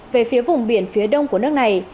về phía vùng biển phía đông của nước này